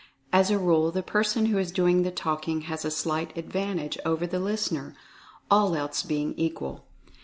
As a rule the person who is doing the talking has a slight advantage over the listener, all else being equal.